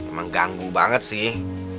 emang ganggu banget sih